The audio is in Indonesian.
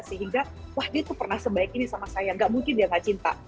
sehingga wah dia tuh pernah sebaik ini sama saya gak mungkin dia gak cinta